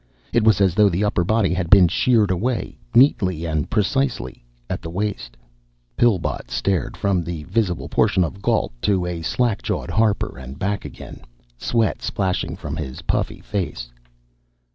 It was as though the upper body had been sheared away, neatly and precisely, at the waist. Pillbot stared from the visible portion of Gault to slack jawed Harper and back again, sweat splashing from his puffy face.